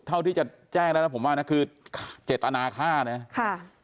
เท่าที่จะแจ้งแล้วผมว่าคือเจตนาค่าเนี่ย